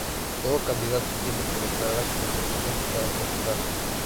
Todo candidato tiene que declarar su consentimiento para postularse.